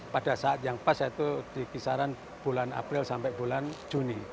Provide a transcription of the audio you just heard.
pada saat yang pas yaitu di kisaran bulan april sampai bulan juni